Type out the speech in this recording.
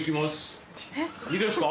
いいですか？